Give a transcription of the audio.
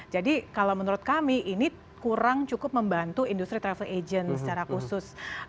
jadi kalau menurut kami ini kurang cukup membantu industri travel agent secara khusus